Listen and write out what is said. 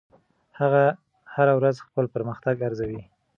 هغه هره ورځ خپل پرمختګ ارزوي.